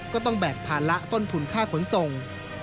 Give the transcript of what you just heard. ก็ต้องแบกภาระต้นทุนค่าขนส่ง